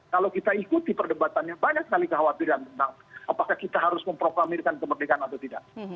kalau kita ikuti perdebatannya banyak sekali kekhawatiran tentang apakah kita harus memproklamirkan kemerdekaan atau tidak